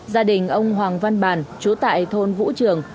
gia đình ông hoàng văn bản chủ tại thôn vũ trường